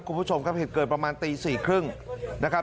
คุณผู้ชมครับเหตุเกิดประมาณตี๔๓๐นะครับ